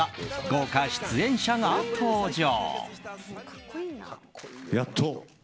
豪華出演者が登場。